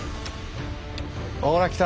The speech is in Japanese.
ほら来た。